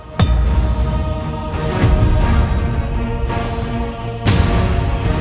ilmu malih rupamu